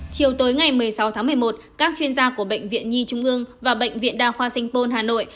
chiều tối ngày một mươi sáu tháng một mươi một các chuyên gia của bệnh viện nhi trung ương và bệnh viện đa khoa sanh pôn hà nội